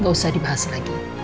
gak usah dibahas lagi